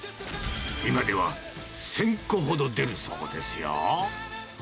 今では１０００個ほど出るそうですよ。